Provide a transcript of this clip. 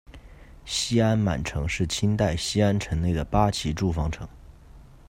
西安满城是清代西安城内的八旗驻防城。